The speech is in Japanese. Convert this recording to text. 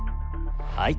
はい。